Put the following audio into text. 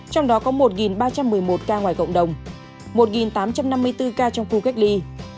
trong đó có một ba trăm một mươi một ca ngoài cộng đồng một tám trăm năm mươi bốn ca trong khu cách ly